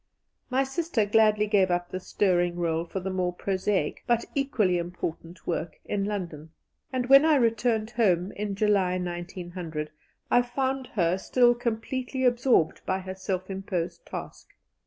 My sister gladly gave up this stirring role for the more prosaic, but equally important, work in London, and when I returned home, in July, 1900, I found her still completely absorbed by her self imposed task.